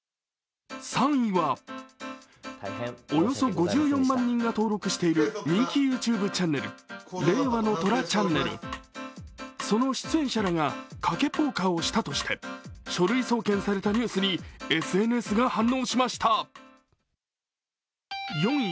３位は、およそ５４万人が登録している人気ＹｏｕＴｕｂｅチャンネル「令和の虎ＣＨＡＮＮＥＬ」その出演者らが賭けポーカーをしたとして書類送検されたニュースにＳＮＳが反応しました。